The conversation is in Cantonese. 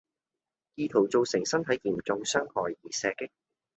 意圖造成身體嚴重傷害而射擊